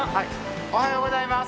おはようございます。